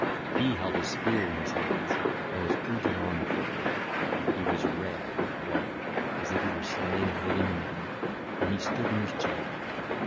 He held a spear in his hands and was urging on the footmen: he was red with blood as if he were slaying living men, and he stood in his chariot.